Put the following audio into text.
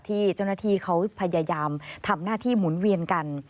ที่เจ้าหน้าที่เขาพยายามทำหน้าที่หมุนเวียนกัน